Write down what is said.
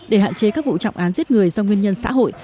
để hạn chế các vụ trọng án giết người do nguyên nhân xã hội